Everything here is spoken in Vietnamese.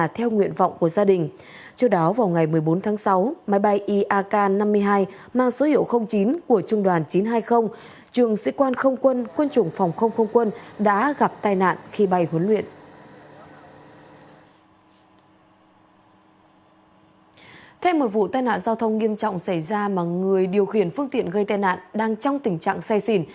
theo một vụ tai nạn giao thông nghiêm trọng xảy ra mà người điều khiển phương tiện gây tai nạn đang trong tình trạng xe xỉn